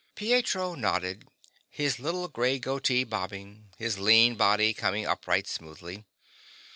Pietro nodded, his little gray goatee bobbing, his lean body coming upright smoothly.